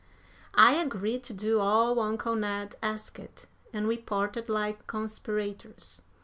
I agreed to do all uncle Ned asked, and we parted like conspirators.